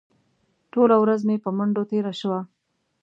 ټوله ورځ مې په منډو تېره شوه.